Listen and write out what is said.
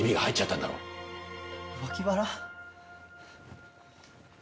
脇腹？